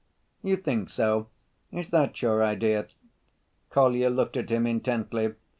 "You think so? Is that your idea?" Kolya looked at him intently.